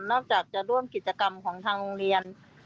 อกจากจะร่วมกิจกรรมของทางโรงเรียน